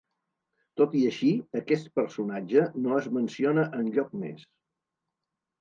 Tot i així, aquest personatge no es menciona enlloc més.